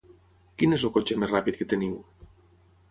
Quin és el cotxe més ràpid que teniu?